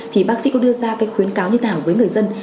thì bác sĩ có đưa ra cái khuyến cáo như thế nào với người dân